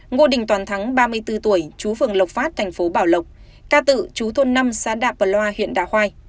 ngô đình toàn thắng ba mươi bốn tuổi chú phường lộc phát tp bảo lộc ca tự chú thôn năm xã đạp bờ loa huyện đạ hoai